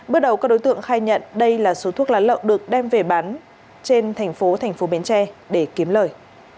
bước đầu các đối tượng khai nhận đây là số thuốc lá lậu được đem về bán trên thành phố thành phố bến tre để kiếm lời